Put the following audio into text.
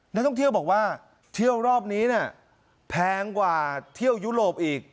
นักท่องเที่ยวบอกว่าเที่ยวรอบนี้แพงกว่าเที่ยวยุโรปอีก